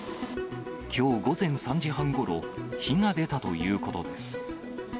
きょう午前３時半ごろ、火が出たということです。